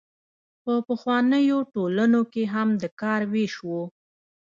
په پخوانیو ټولنو کې هم د کار ویش و.